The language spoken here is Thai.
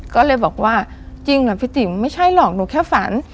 ก็เลยบอกว่าจริงเหรอพี่ติ๋มไม่ใช่หรอกหนูแค่ฝัน